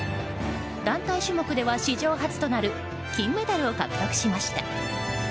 団体種目では史上初となる金メダルを獲得しました。